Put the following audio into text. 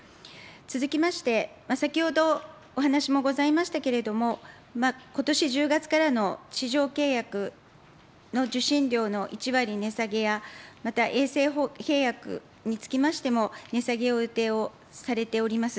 続きまして、先ほどお話もございましたけれども、ことし１０月からの地上契約の受信料の１割値下げや、また衛星契約につきましても、値下げの予定をされております。